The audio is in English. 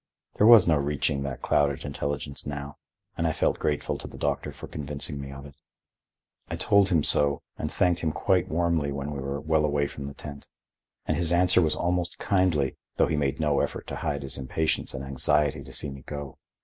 There was no reaching that clouded intelligence now, and I felt grateful to the doctor for convincing me of it. I told him so and thanked him quite warmly when we were well away from the tent, and his answer was almost kindly, though he made no effort to hide his impatience and anxiety to see me go.